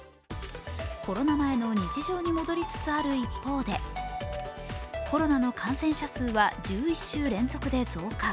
コロナ前の日常に戻りつつある一方でコロナの感染者数は１１週連続で増加。